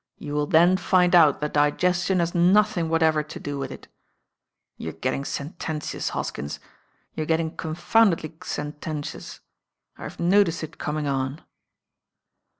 You will then find out that digestion has nothing whatever to do with it. You're get ting sententious, Hoskins; you're getting confound edly sententious. I've noticed it coming on."